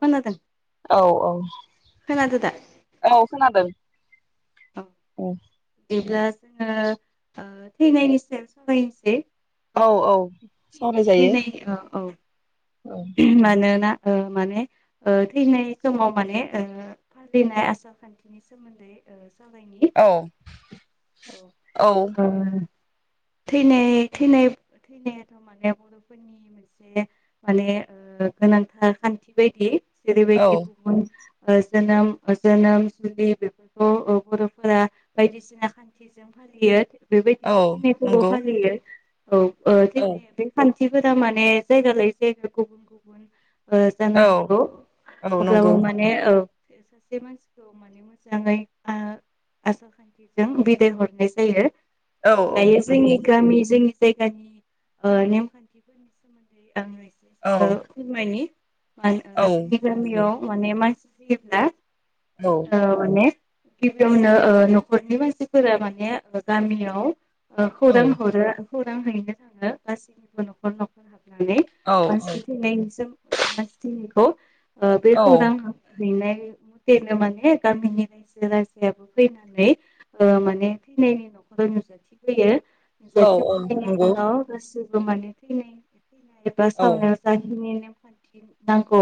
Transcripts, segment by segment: खोनादों औ औ खोनादो दा औ खोनादों। औ। बिदिब्ला जोङो ओ थैनायनि सायाव सावरायनोसै। औ औ सावरायजायो। थैनाय औ औ औ मानोना माने थैनाय समाव माने फालिनाय आसार खान्थिनि सोमोन्दै। औ [unintelligible] थैनाय थैनाय [unintelligible] माने गोनांथार खान्थि बायदि औ जेरबायदि गुबुन जोनोम जोनोम जुलि बेफोरखौ बर'फोरा बायदिसिना खान्थिजों फालियो। औ बेबायदिनो थैनाय फोरखौबो नंगौ फालियो । औ ओ औ [unintelligible] खाथिफोरा माने जायगा लायो [unintelligible] जानो औ हागौ औ अब्लाबो नंगौ माने ओ सासे मानसिखौ माने मोजाङै आसार खान्थिजों बिदाय हरनाय जायो। औ दायो जोंनि नंगौ गमि जो जायगानि नेमखान्थिफोरनि सोमोन्दै औ आङो ओ फोरमायनि [unintelligible] माने औ नंगौ मानसि [unintelligible] औ माने। गिबियावनो न'खरनि मानसिफोरा माने गामियाव [unintelligible] खौरां हरो। खौरां हैनो थाङो गासैनिबो न'खर न'खर हाबनानै। औ मानसि थैनायनि जों [unintelligible] ओ बेखौरां हैनाय मथेनो माने गामिनि रायजो राजायाबो फैनानै ओ माने थैनायनि न'खराव नुजाथिफैयो। औ नंगौ औ [unintelligible] [unintelligible] [unintelligible] खान्थि नांगौ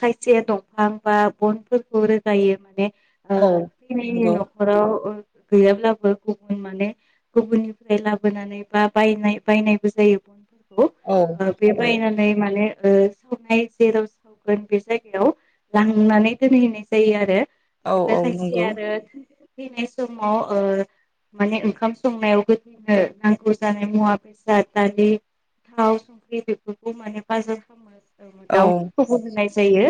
खायसे दंफां बा बनफोरखौ रोगायो माने ओ औ बि नंगौ न'खराव ओ गैयाब्लाबो गुबुन माने गुबुननिफ्राय लाबोनानै बा बायनाय बायनायबो जायो। औ [unintelligible] बे बायना माने ओ सावनाय जेराव सावगोन बे जायगायाव लांनानै दोनहैनाय जायो आरो। औ बिदिया औ खायसे नंगौ आरो थैनाय समाव ओ माने ओंखाम संनायाव गोथैनो नांगौ जानाय मुवा बेसाद दालि थाव संख्रि बेफोर खौ माने बाजार खामो । औ दाउफोरखौबो होनाय जायो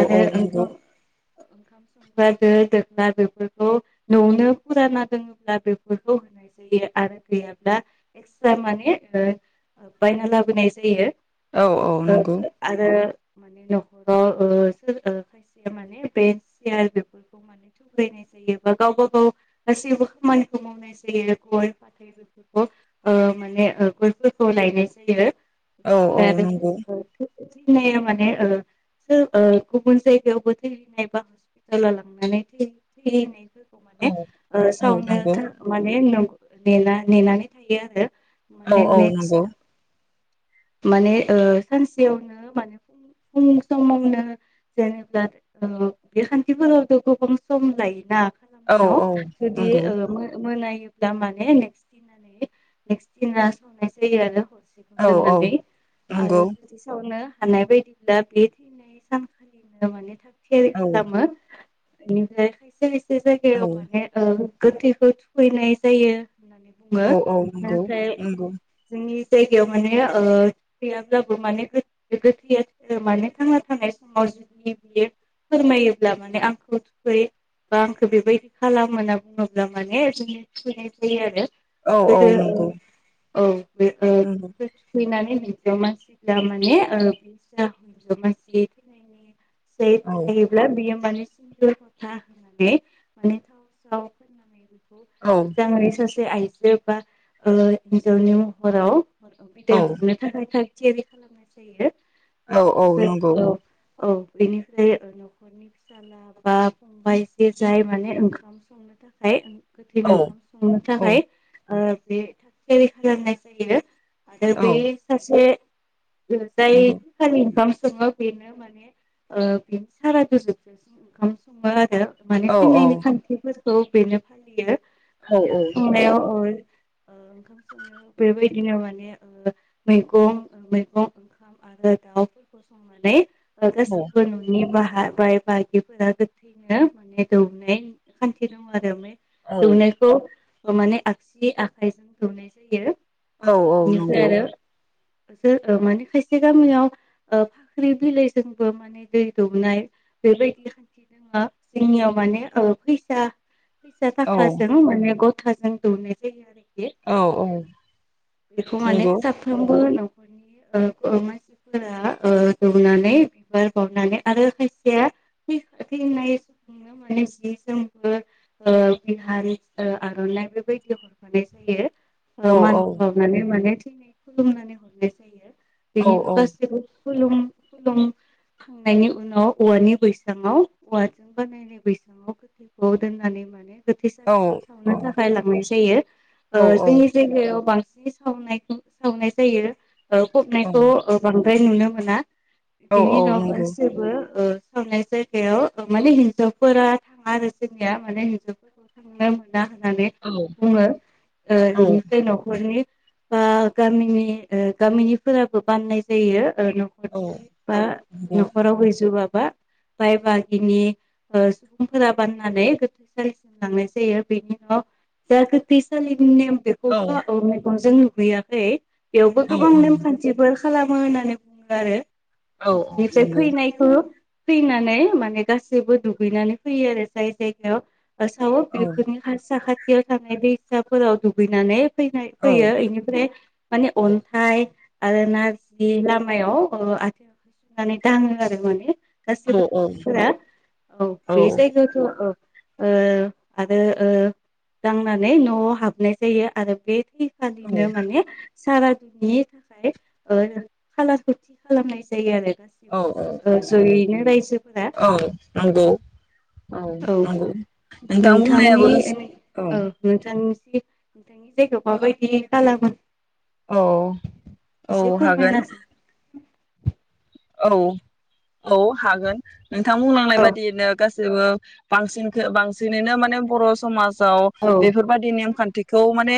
आरो औ नंगौ ओ ओंखाम संग्रा दो दोख्ला बेफोरखौ न'आवनो फुराना दङोब्ला बेफोरखौ होनाय जायो आरो गैयाब्ला एक्सट्रा माने ओ बायना लाबोनाय जायो । औ औ आरो नंगौ ओ आरो माने नखराव ओ सोर खायसेया माने बेन्स सियार बेफोरखौ माने थुफ्लायनाय जायो बा गावबा गाव गासैबो खामानिखौ मावनाय जायो गय फाथै बेफोरखौ ओ माने ओ गयफोरखौ लायनाय जायो। औ [inaudible] औ नंगौ । आरो थैनाया माने ओ सो ओ गुबुन जायगायावबो थैहैनाय बा हस्पिटालाव लांनानै थैहै थैहैनाय खौ माने ओ औ सावनो नंगौ था माने नं नेना नेनानै थायो आरो । माने नेक्स्ट माने ओ सानसेयावनो माने फुं फुं समावनो जेनेबा ओ बे खान्थिफोरावथ' गोबां सम लायोना। औ खालामनायाव औ जुदि नंगौ ओ मो-मोनायो दा माने नेक्स दिनानि नेक्सदिना संनाय जायो आरो [inaudible] औ दोनना औ नंगौ आरो [unintelligible] खौनो हानाय बायदिब्ला बे थैनाय सानखालिनो माने थाखाय सेरे औ खालामो बिनिफ्राय [unintelligible] जे औ जायगायाव माने ओ गोथैखौ थुखैनाय जायो होननानै बुङो औ औ नंगौ नाथाय नंगौ जोंनि जायगायाव माने ओ थुखैयाब्लाबो माने गोथै गोथैया माने थांना थानाय समाव जिनि बियो फोरमायोब्ला माने आंखौ थुखै बा आंखौ बेबायदि खालाम होनना बुङोब्ला माने जोंनि थुखैनाय जायो आरो। औ औ गोदो ओ नंगौ। औ बे ओ नंगौ हिनजाव मानसिब्ला माने ओ हिनजाव मानसि थैनायनि सै औ थायोब्ला बियो माने [unintelligible] [unintelligible] औ मोजांङै सो बे आइजो बा ओ हिनजावनि महराव बिदाय औ हरनो थाखाय थियारि खालामनाय जायो। औ औ बेनिफ्राय नंगौ औ औ बेनिफ्राय न'खरनि फिसाला बा बा [unintelligible] जाय माने ओंखाम संनो थाखाय गोथैनो औ ओंखाम संनो औ थाखाय ओ बे थागथियारि खालामनाय जायो। आरो बे औ सासे जाय नंगौ खालि ओंखाम सङो बेनो माने बेनो सारादुजोब ओंखाम सङो आरो माने औ थैनायनि खान्थिफोर औ बेनो फालियो। औ औ ओंखाम नंगौ संनायाव अर ओंखाम संनो बेबायदिनो माने मैगं मैगं ओंखाम आरो दाउफोरखौ संनानै औ गासिबो न'निबा बा बाय बाहागिफोरा गोथैनो माने दौनाय खान्थि दङ आरो दौनायखौ माने आगसि आखाइजों दौनाय जायो। औ औ नंगौ। बेनिफ्राय आरो जो माने खायसे गामियाव फाख्रि बिलाइजोंबो माने दै दौनाय बेबायदि खान्थि दोङो जोंनियाव माने ओ फैसा फैसा औ नंगौ औ नंगौ औ थाखाजों माने ग थाजों दौनाय जायो आरो। औ औ। बेखौ माने नंगौ साफ्रोमबो बो न'खरनि ओ ओ मानसिफोरा ओ दौनानै बिबार बावनानै आरो खायसेया थै-थैनाय सुबुंनो माने जि जोमबो ओ बिहानि आर'नाइ बेबायदि हरफानाय जायो। ओ औ मान औ। माने बावनानै थैनाय खुलुमनानै हरनाय जायो। औ बिनिनो औ गासैबो खुलुम खुलुमखांनायनि उनाव औवानि बैसाङाव औवाजों बानायनाय बैसाङाव गोथैखौ दोननानै माने गोथैसालिसिम सावनो थाखाय लांनाय जायो। ओ जोंनि जायगायाव बांसिन बि सावनायखौ सावनाय जायो। फबनायखौ बां द्राय नुनो मोना बेनि उनाव नंगौ गासिबो ओ सावनाय जायगायाव माने हिनजावफोरा थाङा आरो जोंनिया माने हिनजावफोरखौ थांनो मोन होननानै औ बुङो औ ओ न'खरनि बा गामिनि गामिनिफोराबो बाननाय जायो। न'खरनि बा न'खराव गैजोबा बाय बाहागिनि सुबुंफोरा बाननानै गोथैसालिसिम लांनाय जायो बेनि उनाव जा गोैथैसालि नेम बेखौथ' औ जों लुगैयाखै बेयावबो गोबां नेमखान्थिफोर खालामो होननानै बुङो आरो बेनिफ्राय फैनायखौ फैनानै माने गासैबो दुगैनानै फैयो आरो जाय जायगायाव आसाव बेफोरनो हसा खाय खाथियाव थानाय दैसाफोराव दुगैनानै फैनाय होयो बेनिफ्राय माने अन्थाइ आरो नारजि लामायाव आथिं हो सुनानै दाङो आरो माने गाससिबो थांनायफोरा औ बे जायगायावथ' औ ओ आरो ओ दांनानै न'आव हाबनाय जायो आरो बे औ औ आनिनो माने सारादुनि थाखाय खाालारखौ थि खालामनाय जायो आरो औ औ औ ओ जयैनोल रायजोफोरा औ नंगौ औ नोंथां नोंथांनि बुंनायाबो औ नोंथांनि नोंथांनि जायगायाव माबायदि खालामो? औ औ एसे फोरमायना हागोन औ। औ हागोन नोंथां बुंलांनाय औ बादियैनो गासैबो बांसिन बांसिनैनो माने बर' समाज बाव औ बेफोरबायदि नेमखान्थि बेखौ माने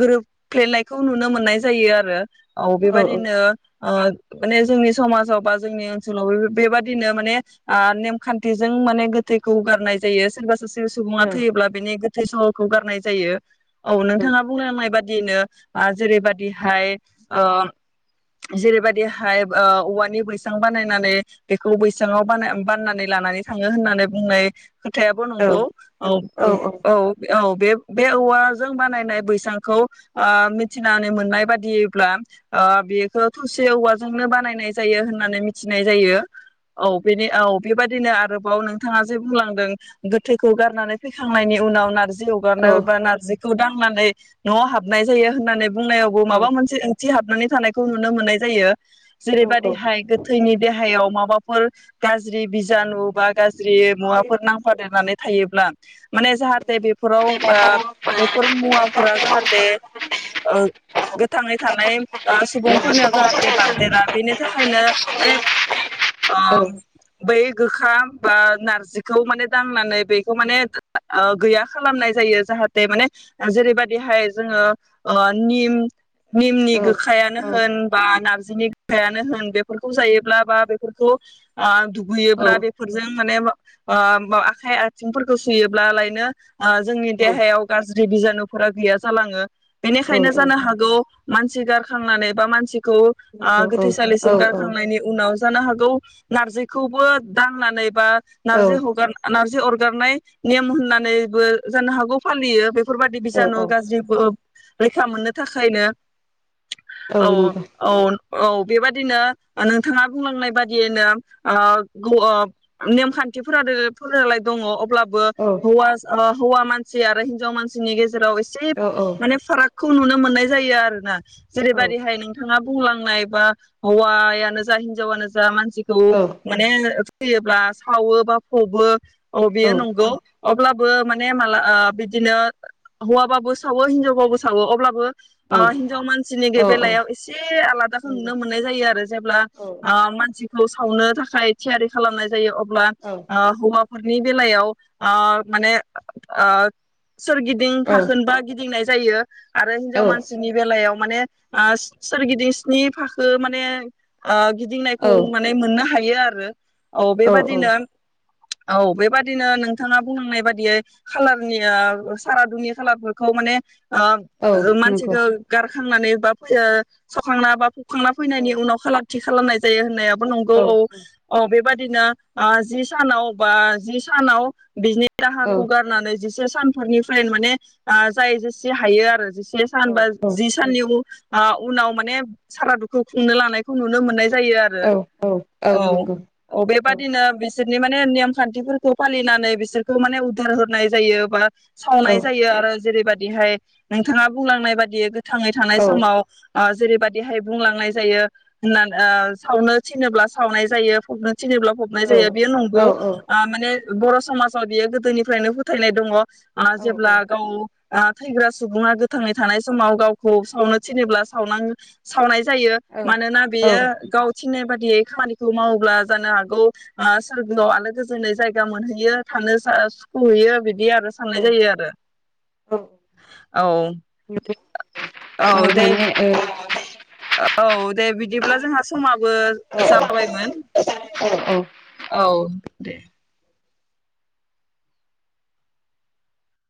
गोरोबफ्लेनायखौ नुनो मोननाय जायो आरो औ बेबायदिनो माने जोंनि समाज जोबा जोंनि ओनसोलाव बेबादिनो माने आ नेमखान्थिजों माने गोथैखौ गारनाय जायो सोरबा सो। सुबुङा थैयोब्ला बिनि थै सहखौ गारनाय जायो। औ नोंथाङा बुंलांनाय बाद दिनो आ जेरैबायदिहाय ओ जेरैबायदिहाय ओ औवानि बैसां बानायनानै बेखौ बैसांयाव बानना बाननानै लानानै थाङो होननानै बुंनाय खोथायाबो औ नंगौ औ औ औ औ। बे बे औवाजों बानायनाय बैसांखौ ओ मिथिनानै मोननाय बादिब्ला ओ बेखौ थसे औवाजोंनो बानायनाय जायो होन नानै मिथिनाय जायो औ बेनि औ बेबायदिनो आरोबाव नोंथाङा जे बुंलांदों गोथैखौ गारनानै फैखांनायनि उनाव नारजि जि औ अरगारनाय बा नारजिखौ दां नानै नआव हाबनाय जायो होननानै बुंनायावबो माबा मोनसे ओंथि हाबनानै थानायखौ नुनो मोननाय जायो जेरैबायदिहाय देहायाव माबाफोर गाज्रि बिजानु बा गा। जे मुवाफोर नांफा देरनानै थायोब्ला माने जाहाथे बेफोराव आ बेफोर मुवाफोरा जाहाथे आ गोथाङै थानाय आ सुबुंफोरनियाव जाहाथे बारदेरा बेनि थाखायनो माने आ बै गोखा बा नारजिखौ माने दांनानै बेखौ माने ओ गैया खालामनाय जायो जाहाथे माने आ जेरैबायाददिहाय जोङो ओ निम निमनि औ गोखायानो औ होनबा नारजि जिनि फायानो होन बेफोर [unintelligible] जायोब्ला बा बेफोरखौ आ दुब औ बुयोब्ला बेफोरजों माने ओ आखाइ आथिंफोरखौ सुयोब्लालायनो आ जोंनि औ नंगौ औ नंगौ औ नंगौ औ नंगौ औ नंगौ औ देहायाव गाज्रि। जि बिजानुफोरा गैया जालाङो। बेनिखायनो जानो हागौ मानसि गारखांनानै बा मानसि खौ ओ गोथैसालिसिम गार थांनायनि उनाव। जानो हागौ नारजिखौबो दाननानै बा नारजि हगार नारजि अर गारनाय नेम होननानैबो जानो हागौ फालियो बे फोर बादि बिजानु गाज्रि फोर रैखा मोननो थाखायनो औ औ। औ बेबादिनो ओ नोंथाङा बुंलांनाय बादियैनो ओ ग ओ नेमखान्थिफोराद फोरालाय दङ अब्ला बो हौवा ओ हौवा मानसि आरो हिनजाव मानसिनि गेजे जेराव एसे माने फाराग खौ नुनो मोननाय जायो आरो ना जेरैबादिहाय नोंथाङा बुंलांनाय बा हौवाया जा हिनजावानो जा मान सिखौ माने होयोब्ला सावो बा फबो औ बेयो नंगौ। अब्लाबो माने माला ओ बिदिनो हौवाबाबो सावो हिनजावबाबो सावो अब्लाबो ओ हिनजाव मानसिनि बे-बेलायाव एसे आलादाखौ नुनो मोननाय जायो आरो जेब्ला अ मा जिखौ सावनो थाखाय थियारि खालामनाय जायो अ वा ओ हौवा हरनि बेलायाव ओ माने ओ सोरगिदिं औ फाखोन बा गिदिंनाय जायो। आरो औ हिनजाव मानसिनि बेलायाव माने आ स सोरगिदिं स्नि फाख बो माने ओग गिदिंनायखौ माने मोननो हाय बे आरो। औ बे बादिनो औ औ बेबादिनो नोंथाङा बुंलांनाय बादियै खालारनि ओ सारादुनि खालारफोरखौ माने आ मानसिखो गार खांनानै बा [unintelligible] सावखांना बा खांना फैनायनि उनाव खाला थि खालामनाय जायो होननाया नंगौ औ औ बेबाय बिदिनो ओ जि सानाव बा जि सानाव बिनि दाहाखौ गारनानै जिसि जे सानफोरनिफ्राय माने आ जाय जेसे हायो आरो [unintelligible] ओ उनाव माने सारादुखौ खुंनो लानाय। नुनो मोननाय जायो आरो औ औ बेबादिनो बिस बिसोरनि माने नेम खान्थिफोरखौ फालिनानै बिसोरखौ माने उदार होनाय जायो बा सावनाय जायो आरो जेरैबायदि बिहाय नोंथाङा बुंलांनाय बायदि। गोथाङै थानाय समाव ओ जेरैबादिहाय बुंलांनाय जायो। होनना ओ सावनो थिनोब्ला सावनाय जायो फबनो थिनोब्ला फबनाय जायो बेयो नंगौ आ माने बर' समाजाव बियो गोदोनिफ्रायनो फोथायनाय दङ। आ जेब्ला गाव ओ थैग्रा सुबुङा गोथाङै थानाय समाव गावखौ सावनो थिनोब्ला सावना सावनाय जायो मानोना बेयो गावथिननाय बादियै खामानिखौ मावोब्ला जानो हागौ ओ सोरगोआव आलो गोजोनै जायगा मोनहैयो थानो ओ सुखुहैयो बि बे आरो साननाय जायो आरो औ औ दे। माने औ दे बिदिब्ला जोंहा समा बो जाबायमोन औ औ दे।